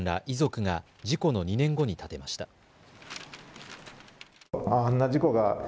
遺族が事故の２年後に建てました。